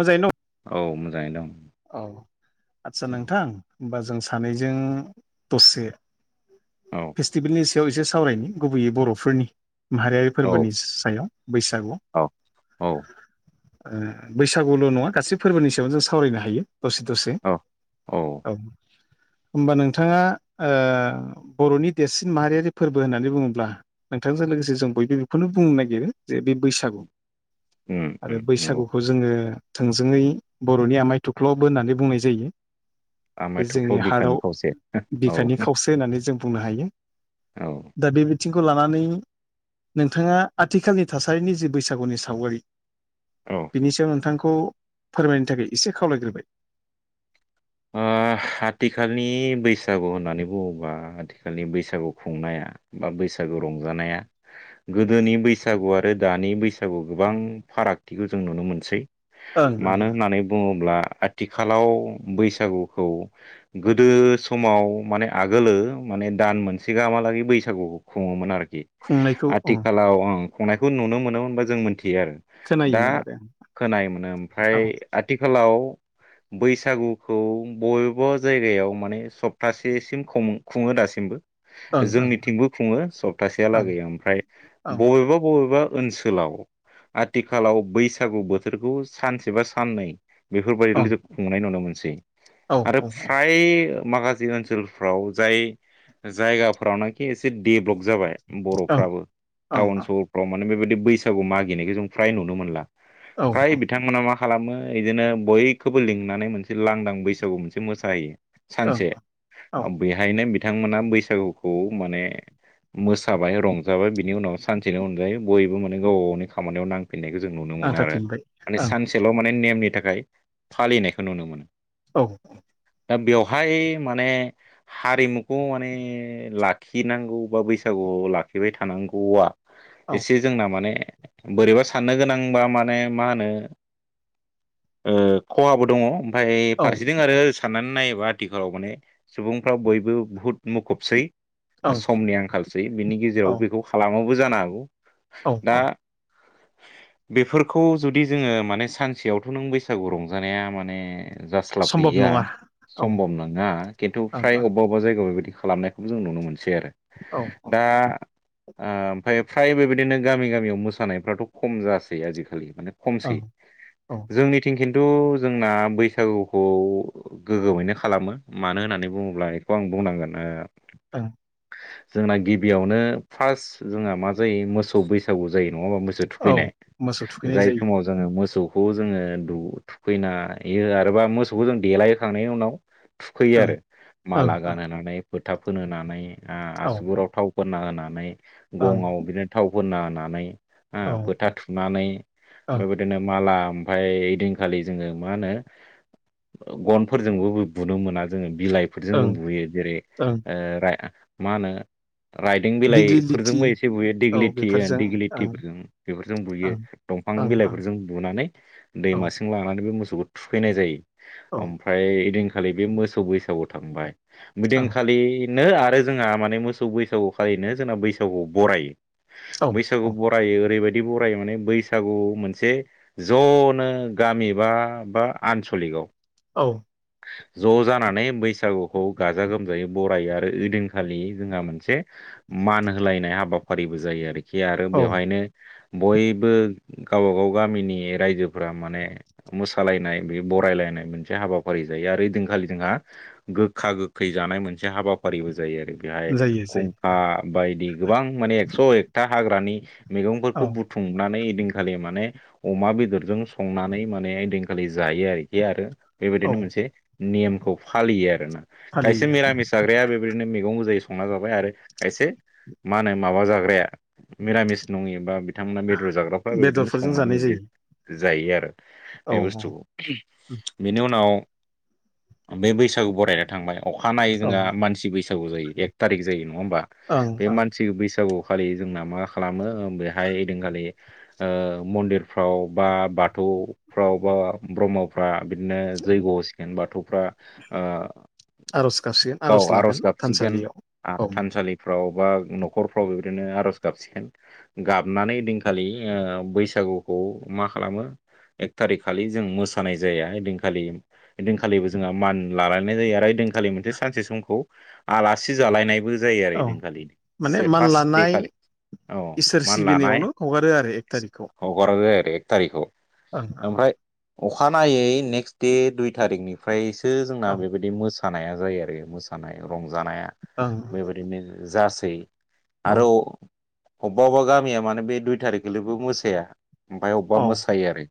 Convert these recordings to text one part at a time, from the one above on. मोजाङैनो दं औ मोजाङैनो दं। औ आदसा नोंथां ओमबा जों सानैजों दसे औ फेस्टिभेलनि सायाव एसे सावरायनि गुबैयै बरफोरनि माहारियारि औ फोरबोनि सायाव बैसागु ओ औ औ बैसागुल नङा गासै फोरबोनि सायाव जों सावरायनो हा हायो दसे दसे औ औ होमबा नोंथाङा ओ बरनि देरसिन माहारियारि फोरबो होननानै बुङोब्ला नोंथांजों लोगोसे जों बयबो बेखौनो बुंनो नागिरो जे बे बैसागु उम आरो उम नंगौ बैसागुखौ जोङो थोंजोङै बरनि आमाइ थुख्लबो होननानै बुंनाय जायो। बे आमाय जोंनि थुख्ल' बिखानि हार्टआव खावसे औ बिखानि खावसे होननानै जों बुंनो हायो औ दा बेबाय बिथिंखौ लानानै नोंथाङा आथिखालनि थासारिनि जि बैसागुनि सावगारि। ओ बिनि सायाव नोंथांखौ फोरमायनो थाखाय एसे खावलायग्रोबाय। ओ आथिखालनि बैसागु होननानै बुङोबा आथिखालनि बैसागु खुंनाया बा बै बैसागु रंजानाया गोदोनि बैसागु आरो दानि बैसागु गोबां फारागथिखौ जों नुनो मोनसै ओं मानो ओं होननानै बुङोब्ला आथिखालाव बैसा सागुखौ गोदो समाव माने आगोलो माने दान मोनसे गाहामालागै बै सागु खुङोमोन आरोखि खुंनायखौ ओं आथिखालाव ओम खुंनायखौ नुनो मोनोमोन बा जों मोन थियो आरो दा खोनायोमोन आरो खोनायोमोन ओमफ्राय आं। आथिखालाव बैसागु खौ बबेबा जायगायाव माने सप्तासेसिम खुं खुङो दासिमबो औ ओं जोंनिथिंबो खुङो सप्तासेहालागै ओमफ्राय बबेबा बबेबा ओनसोलाव आथिखालाव बैसागु बोथोरखौ सानसे बा साननै बेफोरबायदिल ओं जों खुंनाय नुनो मोनसै ओं औ आरो फ्राय माखासे ओनसोल फोराव जाय जायगाफोरावनोखि एसे देभलप जाबाय ओं बरफ्राबो औ टाउन सहरफ्राव माने बेबायदि बैसागु मागिनायखौ जों फ्राय नुनो मोनला। औ ओं फ्राय औ बिथांमोना मा खालामो इदिनो बयखौबो लिंनानै मोनसे लांदां बैसागु मोनसे मोसाहायो ओं सानसे औ बेहायनो बिथांमोना बैसागुखौ माने मोसाबाय रंजाबाय बिनि उनाव सानसेनो अनगायै बयबो माने गावबा गावनि खामानियाव नां फिननायखौ जों नुनो मोनो आरो नांथाफिनबाय माने ओं सानसेल माने नेमनि थाखाय फालिनायखौ नुनो मोनो। औ। दा बेवहाय माने हारिमुखौ माने लाखिनांगौ बा बैसागु खौ लाखिबाय थानांगौआ औ एसे जोंना माने बोरैबा साननो गोनांबा माने मा होनो ओ खहाबो दङ ओमफाय फारसेथिं आरो साननानै नायो ब्ला आथिखालाव माने सुबुंफ्रा बयबो बुहुत मुखुबसै। ओं समनि आंखालसै बिनि औ गेजेराव बेखौ खालामाबो जानो हागौ। औ दा औ। बेफोरखौ जुदि जोङो माने सानसेयावथ' नों बैसागु रंजानाया माने सम्भब जास्लाबहैया नङा औ ओं सम्भब नङा खिन्थु ओं फ्राय औ अबेबा अबेबा जायगायाव बे बायदि खालामनायखौ जों नुनो मोनसै आरो। औ दा ओमफाय फ्राय बे बायदिनो गामि गामियाव मोसानायफ्राथ' खम जासै आजिखालि। माने खमसै ओं औ जोंनिथिं खिन्थु जोंना बैसागो खौ गोग्गोमैनो खालामो। मानो होननानै बुङोब्ला बेखौ आं बुंनांगोन औ। जोंना गिबियावनो फार्स्ट जोंहा मा जायो मोसौ बैसागु जायो। नङाबा मोसौ औ थुखैनाय मोसौ थुखैनाय जाय जायो समाव जोङो मोसौ खौ जोङो थुखैना आरोबा मोसौखौ जों देलायहोखांनायनि उनाव थुखैयो ओं आरो, ओं माला ओं गानहोनानै, फोथा फोनहोनानै, ओ औ आसुगुराव थाव फोनना होनानै ओं गङाव बिदिनो थाव फोनना होनानै औ फोथा थुनानै ओं बे बायदिनो माला ओमफाय ओइदिनखालि जोङो मा होनो गनफोरजोंबो बुनो मोना जोङो बिलाइफोरजों ओं बुयो जेरै ओं मा होनो राइदों दिग्लि लिथि बिलाइफोरजोंबो एसे बुयो औ गिलिटि बेफोरजों ओं दिगिलिटिफोरजों बेफोरजों बुयो। ओं दंफां ओं ओं बिलाइफोरजों बुनानै औ दैमासिम लांनानै बे मोसौ थुखैनाय जायो। औ ओं ओमफ्राय ओइदिनखालि बे मोसौ बैसागु थांबाय। ओइदिनखालिनो आरो जोंहा माने मोसौ बैसागु खालिनो जोंना बैसागु बरायो। औ बैसागु औ बरायो ओरैबायदि बरायो माने बैसागु मोनसे ज'नो गामि बा बा आनस' गलिकआव औ ज' जानानै बैसागुखौ गाजा-गोमजायै बरायो आरो ओइदिनखालि जोंहा मोनसे मान होलायनाय हाबाफारिबो जायो आरोखि आरो औ बेवहायनो बयबो गावबा गाव गामिनि राइजोफोरा माने मोसालायनाय बे बरायलायनाय मोनसे हाबा फारि जायो आरो ओइदिनखालि जोंहा गोखा गोखै जानाय मोनसे हाबाफारिबो जायो आरो। बेहाय जायो जायो खुंखा औ बायदि गोबां माने एक्स' एकथा हाग्रानि मैगंफोरखौ औ बुथुमनानै ओइदिनखालि माने अमा बेदरजों संनानै माने ओइदिनखालि जायो आरोखि आरो बे औ बायदिनो मोनसे नेमखौ फालियो आरोना। खायसे फालियो मिरामिस जाग्राया बे बायदिनो मैगं गोजायै संना जाबाय आरो खायसे मा होनो माबा जाग्राया मिरामिस नङि बा बिथांमोना बेदर जाग्राफ्रा बे बायदिनो बेदरफोरजों संनानै जानाय बिदि जायो जायो आरो औ बे औ बुस्थुखौ। बेनि उनाव बे बैसागु बरायना थांबाय। अखानायै औ जोंहा मानसि बैसागु जायो एक थारिक जायो। नङा होमबा? ओं बे ओं मानसि बैसागु खालि जोंना मा खालामो बेहाय ओइदिनखालि मन्दिरफ्राव बा बाथौ फ्राव बा ब्रह्मफ्रा बिदिनो जैग्य' होसिगोन बाथौ फ्रा ओ आर'ज गाबसिगोन गाव आर'ज लागोन गाबसिगोन थानसालियाव औ थानसालिफ्राव बा न'खरफ्राव बे बायदिनो आर'ज गाबसिगोन गाबनानै ओइदिनखालि बैसागुखौ मा खालामो एक थारिक खालि जों मोासानाय जाया ओइदिनखालि ओइदिनखालिबो जोंहा मान लालायनाय जायो आरो ओइदिनखालि मोनसे सानसे समखौ आलासि जालायनायबो जायो औ ओइदिनखालि माने मान फार्स्ट दे लानाय खालि औ इसोर मान लानाय सिबिनायावनो हगारो आरो एक थारिखखौ हगारबाय आरो एक थारिखखौ ओं ओं ओमफ्राय अखानायै नेक्स्ट दे दुइ थारिखनिफ्रायसो जोंना ओं बेबायदि मोसानायखौ मोसानाया जायो आरो मोसानाय रंजानाया औ ओं बेबायदिनो जासै औ आरो अबबा अबबा गामिया माने बे दुइ थारिखखालिबो मोसाया ओमफाय अबबा ओं मोसायो आरो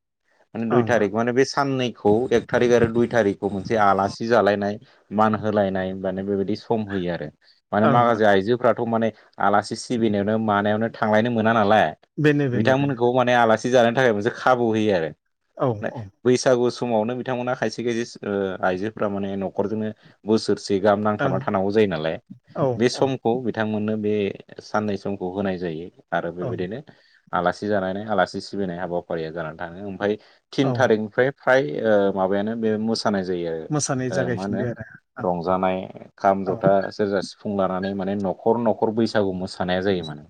माने दुइ ओं थारिख माने बे साननैखौ एक थारि आरो दुइ थारिखौ मोनसे आलासि जालायनाय मान होलायनाय मान बेबायदि सम होयो आरो माने ओं ओं माखासे आइजोफ्राथ' माने आलासि सिबिनायावनो मानायावनो थांलायनो मोना नालाय बेनो बेनो बेनो बिथांमोनखौ माने आलासि जानायनि थाखाय मोनसे खाबु होयो आरो औ बैसागु समावनो बिथांमोना खायसे खायसे आइजोफोरा माने न'खरजोंनो बोसोरसे गाहाम नांथाबना ओं थानांगौ जायो नालाय औ बे औ समखौ बिथांमोननो बे साननै समखौ होनाय जायो आरो ओं बेबायदिनो आलासि जानानै आलासि सिबिनाय हाबाफारिया जानानै थाङो ओमफ्राय औ थिन थारिखनिफ्राय फ्राय माबायानो बे मोस खानाय जायो मोसानाय मा होनो जागायफिनबाय आरो रंजानाय खाम, आं औ जथा, सेरजा, सिफुं सुफुं लानानै माने न'खर न'खर बैसागु मोसानाया जायो माने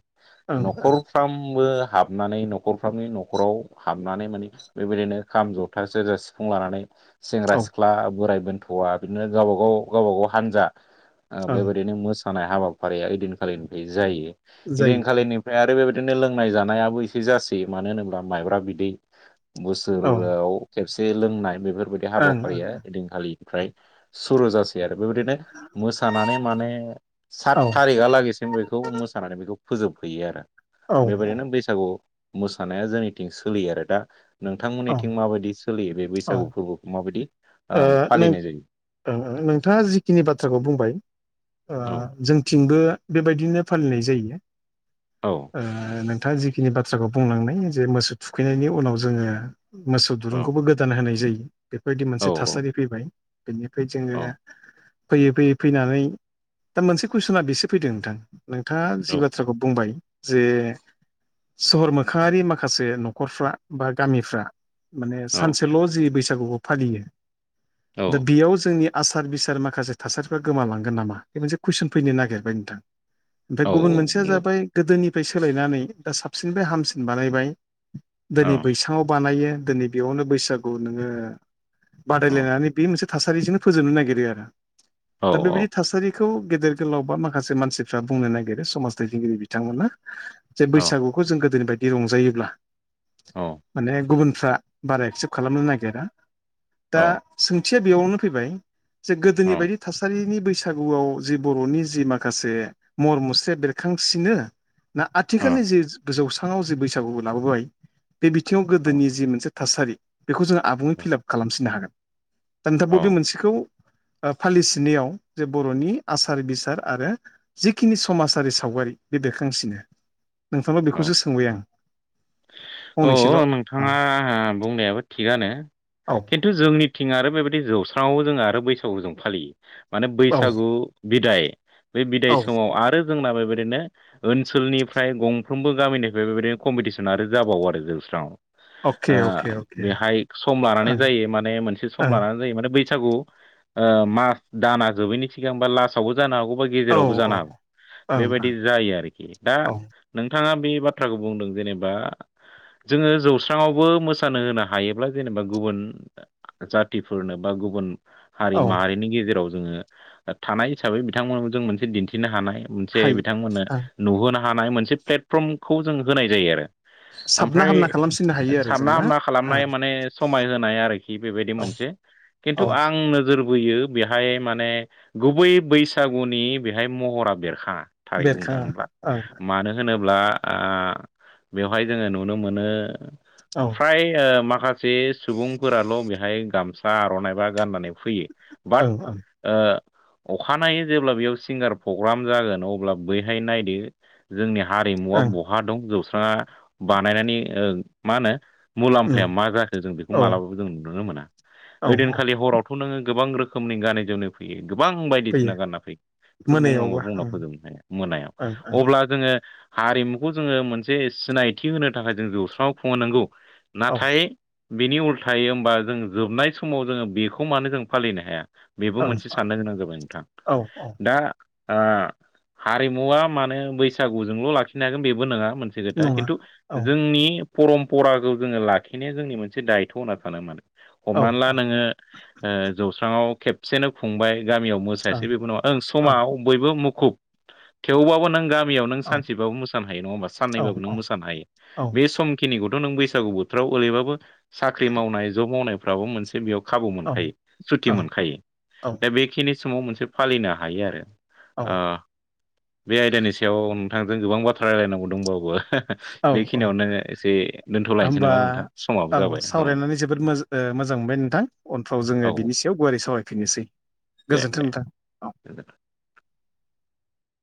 ओं ओं न'खरफ्रामबो हाबनानै न'खरफ्रामनि न'खराव हाबनानै माने बेबायदिनो खाम, जथा, सेरजा, सिफुं, लानानै सेंग्रा औ सिख्ला बोरायबोन बुवा गावबा गाव गावबा गाव हानजा ओं बेबायदिनो मो हाबाफारिया ओदिनखालिनिफ्राय जायो जायो इदिनखालिनिफ्राय आरो बेबाय बिदिनो लोंनाय जानायाबो एसे जासै मानो होनोब्ला माइब्रा बिदै औ बोसोराव से लोंनाय बेफोरबायदि ओं ओं हाबाफारिया ओइ दिनखालिनिफ्राय सुरु जासै आरो बेबायदिनो मोसानानै माने सात औ औ थारिका लागैसिम बेखौ मोसानानै बेखौ फोजोबहैयो आरो बेबायदिनो औ बैसागु मोसानाया जोंनिथिं सोलियो आरो दा। औ नोंथांमोननिथिं माबायदि सोलियो बे बैसागु फोरबोखौ माबायदि? ओ ओम नों फालिनाय जायो नों नोंथाङा जिखिनि बाथ्राखौ बुंबाय ओ औ जोंथिंबो बेबायदिनो फालिनाय जायो। औ ओ नोंथाङा जिखिनि बाथ्राखौ बुंलांनाय जे मोसौ थुखैनायनि उनाव जोङो मोसौ औ दुरुंखौबो गोदान होनाय जायो बेफोरबायदि मोनसे औ थासारि फैबाय। बिनिफ्राय जोङो औ फैयै फैयै फैनानै दा मोनसे कुइसना बेसो फैदों नोंथां नोंथाङा जि औ बाथ्राखौ बुंबाय जे सहर मोखाङारि माखासे न'खरफ्रा बा गामिफ्रा माने औ सानसेल' जि बैसागुखौ फालियो दा औ बेयाव जोंनि आसार बिसार माखासे थासारिफ्रा गोमालांगोन नामा बे मोनसे कुइसन फैनो नागिरबाय नोंथां।। ओमफ्राय औ गुबुन मोनसेया नंगौ जाबाय गोदोनिफ्राय सोलायनानै दा साबसिननिफ्राय हामसिन बानायबाय औ दिनै बैसाङाव बानायो दिनै बेयावनो बैसागु नोङो औ बादायलायनानै बे मोनसे थासारिजोंनो फोजोबनो नागिरो आरो औ दा बेबायदि थासारिखौ गे जे औ बैसागुखौ जों गोदोनि बायदि रंजायोब्ला औ फ्रा बारा एक्सेप्ट खालामनो नागिरा औ दा सोंथिया बेयावनो फैबाय जे गोदोनि बायदि थासारिनि बै बैसागुआव जि बर'नि जि माखासे मर मुस्रि बेरखांसिनो ना आथिखालनि जि थासारि बेखौ जोङो आबुङै फिलाप खालामसिननो हागोन दा नोंथां औ बबे मोनसेखौ फालिसिनायाव जे बर'नि आसार बिसार आरो जिखिनि समाजारि सावगा बोरै बे बेरखांसिनो नोंथांनाव बेखौसो सोंबाय आं। फंनैसोल' अ' औ नोंथाङा बुंनायाबो थिगानो। औ खिन्थु जोंनिथिंआ आरो बेबायदि जौस्राङाव जोंङो आरो बैसागु जों फालियो। माने औ बैसागु बिदाय बे बिदाय औ समाव आरो जोंना बेबायदिनो ओनसोलनिफ्राय गंफ्रोमबो गामिनिफ्राय बेबायदिनो कम्पिटिसन आरो जाबावो आरो जौस्रांआव अके अके ओ अके बेहाय सम लानानै जायो माने मोनसे सम लानानै जायो माने बै बैसागु मास दाना जोबैनि सिगांबा लास्टआवबो जानो हागौ बा ओं गेजेरावबो औ जानो हागौ औ बेबायदि ओं जायो आरोखि दा ओं औ नोंथाङा बे बाथ्राखौ बुंदों जेनेबा [inaudible] जोङो जौस्रांङावबो मोसानो होनो हायोब्ला जेनेबा गुबुन जाथिफोरनो बा गुबुन हारि औ माहारिनि गेजेराव जोङो थानाय हिसाबै बिथांमोन जों मोनसे दिन्थिनो हानाय मोनसे हायो बिथांमोननो ओं नुहोनो हानाय मोनसे प्लेटफर्मखौ जों होनाय जायो आरो साबना ओमफ्राय हामना खालामसिननो हायो आरो जों सानना ना हामना ओं खालामनाय माने समाय होनाय आरोखि बेबायदि औ मोनसे खिन्थु औ आं नोजोर लुबैयो बेहाय माने गुबै बैसागुनि बेहाय महरा बेरखाङा थारै बुंनो बेरखाङा थाङोब्ला ओं मानो होनोब्ला आह आह बेवहाय जोङो नुनो मोनो औ फ्राय मा माखासे सुबुंफोराल' बेहाय गामसा आर'नाइ बा गाननानै फैयो बाट ओं ओं ओ अखानायै जेब्ला बेयाव सिंगार प्रग्राम जागोन अब्ला बैहाय नायदो जोंनि हारिमुवा ओं बहा दं जौस्राङा बानायनानै मा होनो उम मुलाम्फाया मा जाखो जों बेखौ औ मालाबाबो जों नुनो मोना औ औ ओइदिनखालि हराव खौ नोङो गोबां रोखोमनि गानै जोमनो फैयो गोबां बायदिसिना गानना फैयो खोथा बुंनाबो मोनायावबा बुंना ओं फोजोबनो हाया मोनायाव ओं अब्ला जोङो हारिमुखौ जोङो मोनसे सिनायथि होनो थाखाय जों जौस्रांआव खुंङो नंगौ ओं नाथाय बिनि उल् थायो होमबा जों जोबनाय समाव जोङो बेखौ मानो जों फालिनो हाया बेबो औ मोनसे साननो गोनां जाबाय नोंथां ओं औ दा ओ हारिमुवा माने बैसागुजोंल' लाखिनो हागोन बेबो नङा मोनसे दा नङा खिन्थु औ जोंनि परम्पराखौ जोङो लाखिनाया जोंनि मोनसे दायथ' होनना सानो माने औ हमनानै ला नोङो ओ जौस्राङाव खेबसेनो खुंबाय गामियाव मोसायासै ओं बेबो नङा ओं औ समाव बयबो मुखुब थेवबाबो नों गामि साननैयावबो औ सानसेबाबो मोसानो हायो नङा होनबा साननैबाबो नों मोसानो हायो औ बे समखिनिखौथ' नों बैसागु बोथोराव ओरैबाबो साख्रि मावनाय जब मावनायफ्राबो मोनसे बेयाव खाबु मोनखायो सुथि मोनखायो दा बेखिनि समाव मोनसे फालिनो हायो आरो ओ बे आयदानि सायाव नोंथांजों गोबां बाथ्रा रायलायनांगौ दंबावो हा हा औ औ बेखिनियावनो एसे दोन्थ'लायनोसै होमबा नामा नोंथां समाबो ओं जाबाय औ। सावरायनानै जोबोद मोज ओ मोजां मोनबाय नोंथां उनफ्राव जोङो औ बिनि सायाव गुवारै सावरायफिननोसै। दे गोजोन्थों दे नोंथां। गोजोनथों।